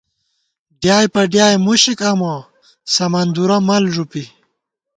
ڈیائے پہ ڈیائے مُشِک امہ ، سمَندُورہ مَل ݫُپی